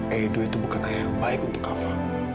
edo itu bukan ayah yang baik untuk kava